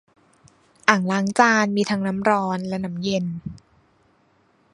อ่างล้างจานมีทั้งน้ำร้อนและน้ำเย็น